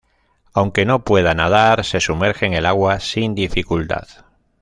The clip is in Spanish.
Aunque no pueda nadar, se sumerge en el agua sin dificultad.